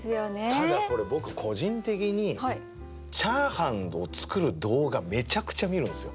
ただこれ僕個人的にチャーハンを作る動画めちゃくちゃ見るんすよ。